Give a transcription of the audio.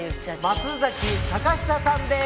松崎貴久さんです。